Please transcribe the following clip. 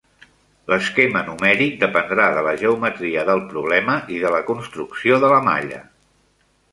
L'esquema numèric dependrà de la geometria del problema i de la construcció de la malla.